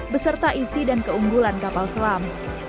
beserta isi dan keunggulan kapal selam